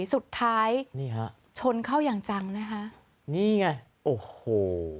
สุดท้ายชนเข้าอย่างจังนี่ไงโอ้โฮ